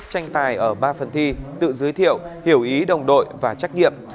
các trường trung học phổ thông sẽ được tranh tài ở ba phần thi tự giới thiệu hiểu ý đồng đội và trách nhiệm